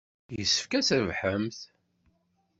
Yessefk ad trebḥemt.